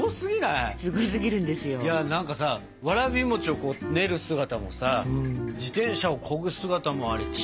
いや何かさわらび餅をこう練る姿もさ自転車をこぐ姿もあれ力強かったですよ。